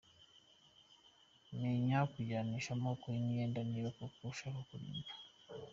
Menya kujyanisha amoko y’ imyenda niba koko ushaka kurimba.